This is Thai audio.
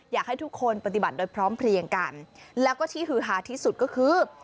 อยากให้ทุกคนปฏิบัติโดยพร้อมเพลียงกันแล้วก็ที่ฮือฮาที่สุดก็คือ